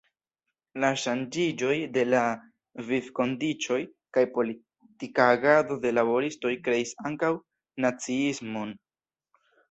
La ŝanĝiĝoj de la vivkondiĉoj kaj politika agado de laboristoj kreis ankaŭ naciismon.